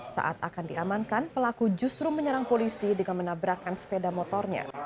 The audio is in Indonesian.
saat akan diamankan pelaku justru menyerang polisi dengan menabrakkan sepeda motornya